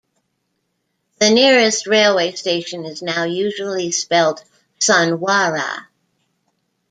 The nearest railway station is now usually spelt "Sonwara".